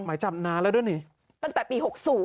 หมายจับนานแล้วด้วยนี่ตั้งแต่ปี๖๐